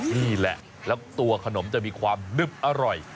นี่แหละแล้วตัวขนมจะมีความนึบอร่อย